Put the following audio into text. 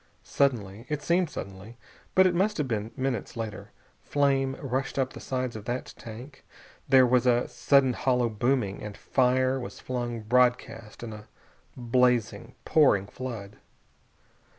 Suddenly it seemed suddenly, but it must have been minutes later flame rushed up the sides of that tank, there was a sudden hollow booming, and fire was flung broadcast in a blazing, pouring flood.